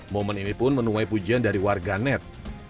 momen ini pun menuai pujian dari warganet